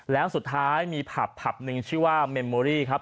แล้วสุดท้ายมีผับผับหนึ่งชื่อว่าเมมโมรี่ครับ